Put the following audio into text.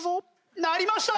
鳴りました！